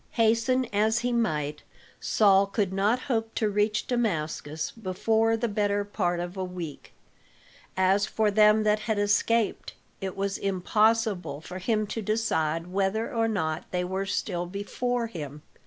Hasten as he might, Saul could not hope to reach Damascus before the better part of a week. As for them that had escaped, it was impossible for him to decide whether or not they were still before him.